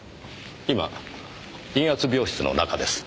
今陰圧病室の中です。